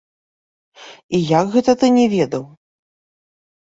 І як гэта ты не ведаў?